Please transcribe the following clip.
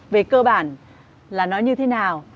về cơ bản là nó như thế nào